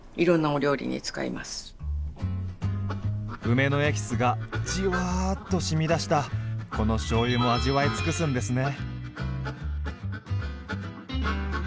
梅のエキスがじわっとしみ出したこのしょうゆも味わい尽くすんですね。